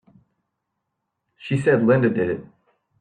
She said Linda did it!